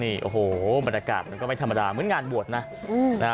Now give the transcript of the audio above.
นี่โอ้โหบรรยากาศมันก็ไม่ธรรมดาเหมือนงานบวชนะ